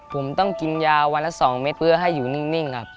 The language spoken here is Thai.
ผมต้องกินยาวันละ๒เม็ดเพื่อให้อยู่นิ่งครับ